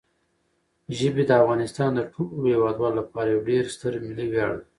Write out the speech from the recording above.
ژبې د افغانستان د ټولو هیوادوالو لپاره یو ډېر ستر ملي ویاړ دی.